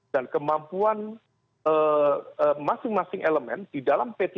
dan kemampuan masing masing elemen di dalam p tiga